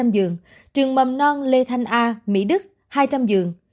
ba trăm linh giường trường mầm non lê thanh a mỹ đức hai trăm linh giường